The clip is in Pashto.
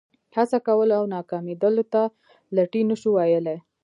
هڅه کول او ناکامېدلو ته لټي نه شو ویلای.